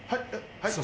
はい。